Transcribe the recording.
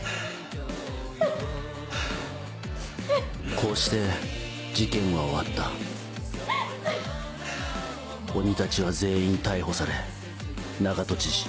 こうして事件は終わった鬼たちは全員逮捕され長門知事